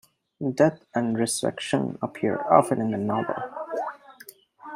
Death and resurrection appear often in the novel.